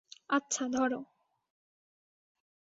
আচ্ছা, ধরো।